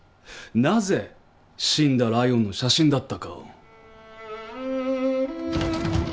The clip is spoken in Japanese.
なぜ死んだライオンの写真だったかを。